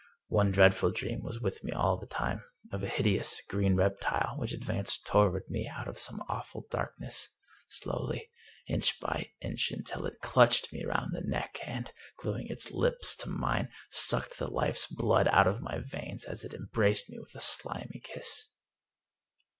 One dreadful dream was with me all the time — of a hide ous, green reptile which advanced toward me out of some awful darkness, slowly, inch by inch, until it clutched me round the neck, and, gluing its lips to mine, sucked the life's blood out of my veins as it embraced me with a slimy kiss.